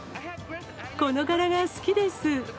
この柄が好きです。